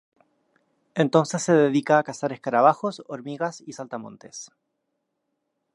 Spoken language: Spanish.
Entonces se dedica a cazar escarabajos, hormigas y saltamontes.